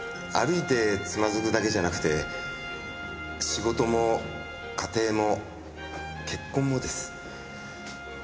歩いてつまずくだけじゃなくて仕事も家庭も結婚もです。